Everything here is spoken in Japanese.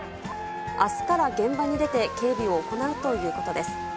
あすから現場に出て警備を行うということです。